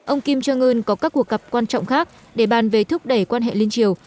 ông kim jong un có các cuộc gặp quan trọng khác để bàn về thúc đẩy quan hệ liên triều